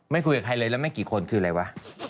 คุยกับใครเลยแล้วไม่กี่คนคืออะไรวะ